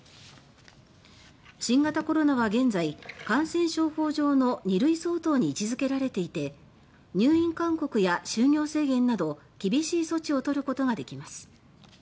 新型コロナは現在感染症法上の２類相当に位置づけられていて入院勧告や就業制限など厳しい措置をとることができます。